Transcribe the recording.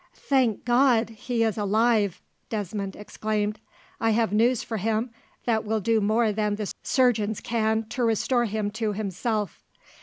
"Thank God, he is alive!" Desmond exclaimed. "I have news for him that will do more than the surgeons can to restore him to himself."